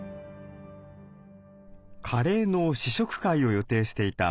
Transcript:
カレーの試食会を予定していた